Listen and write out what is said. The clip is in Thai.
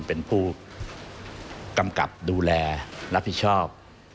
เป็นผู้กำกับดูแลรับผิดชอบ